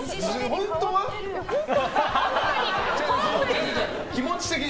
本当に！